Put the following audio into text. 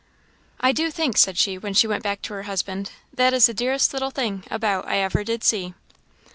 "I do think," said she, when she went back to her husband, "that is the dearest little thing, about, I ever did see."